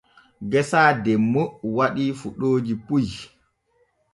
Geesa demmo waɗii fuɗooji puy.